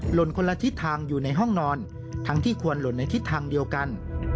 ลนคนละทิศทางอยู่ในห้องนอนทั้งที่ควรหล่นในทิศทางเดียวกัน